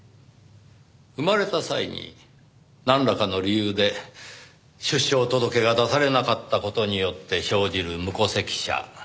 生まれた際になんらかの理由で出生届が出されなかった事によって生じる無戸籍者。